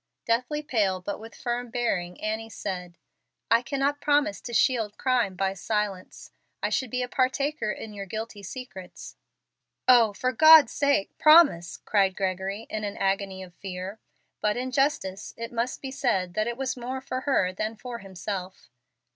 Deathly pale, but with firm bearing, Annie said, "I cannot promise to shield crime by silence. I should be a partaker in your guilty secrets." "Oh, for God's sake, promise!" cried Gregory, in an agony of fear, but in justice it must be said that it was more for her than for himself.